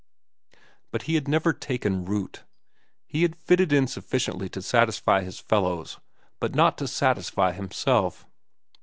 But he had never taken root. He had fitted in sufficiently to satisfy his fellows but not to satisfy himself.